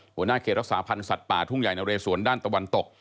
หัวหน้าเขตรักษาพันธ์สัตว์ป่าทุ่งใหญ่นะเรสวนด้านตะวันตก